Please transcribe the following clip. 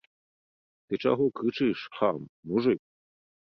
Ты чаго крычыш, хам, мужык?